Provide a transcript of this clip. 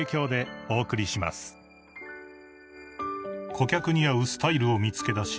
［顧客に合うスタイルを見つけ出し